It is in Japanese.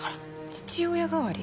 父親代わり？